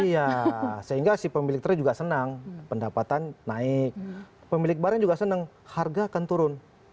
iya sehingga si pemilik trek juga senang pendapatan naik pemilik barang juga senang harga akan turun